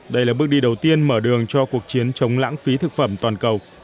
đây là bước đi đầu tiên mở đường cho cuộc chiến chống lãng phí thực phẩm toàn cầu